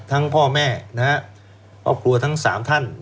ทั้งพ่อแม่ครัวทั้งสามท่าน